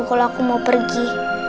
kalau aku mau pergi